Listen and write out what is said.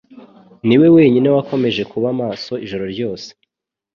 niwe wenyine wakomeje kuba maso ijoro ryose.